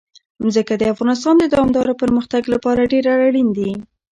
ځمکه د افغانستان د دوامداره پرمختګ لپاره ډېر اړین دي.